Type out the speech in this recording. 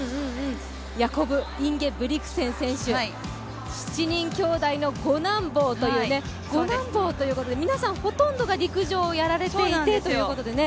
ヤコブ・インゲブリクセン選手、７人兄弟の５男坊ということで皆さん、ほとんどが陸上をやられていてということでね。